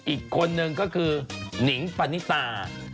อีกคนนึงก็คือหนิงปณิตา